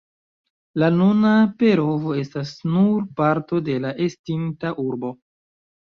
La nuna Perovo estas nur parto de la estinta urbo.